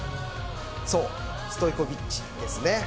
そう、ストイコヴィッチですね。